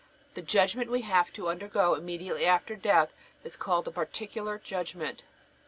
The judgment we have to undergo immediately after death is called the Particular Judgment.